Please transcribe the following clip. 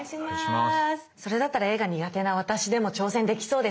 それだったら絵が苦手な私でも挑戦できそうですね。